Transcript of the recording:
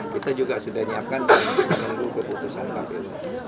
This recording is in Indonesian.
kita juga sudah menyiapkan menunggu keputusan kpu